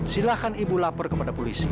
silahkan ibu lapor kepada polisi